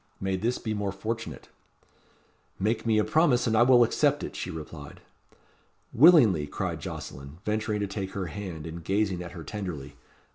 May this be more fortunate." "Make me a promise, and I will accept it," she replied. "Willingly,", cried Jocelyn, venturing to take her hand, and gazing at her tenderly.